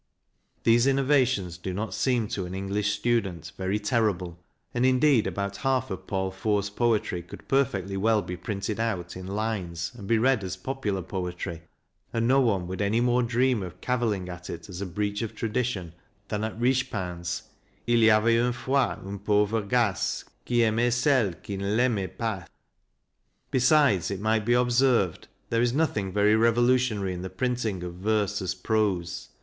These innovations do not seem to an English student very terrible, and indeed about half of Paul Fort's poetry could perfectly well be printed out in lines and be read as popular poetry, and no one would any more dream of cavilling at it as a breach of tradition than at Richepin's : II y avait un' fois un pauvre gas Qui aimait cell 3 qui n' 1' aimait pas. Besides, it might be observed, there is nothing very revolutionary in the printing of verse as prose.